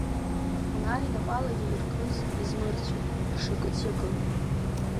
Афонар инапала иаиркыз измырцәеит, ишакыц иакын.